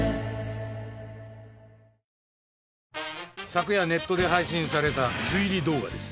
昨夜ネットで配信された推理動画です。